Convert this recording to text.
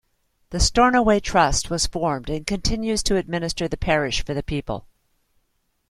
The Stornoway Trust was formed and continues to administer the parish for the people.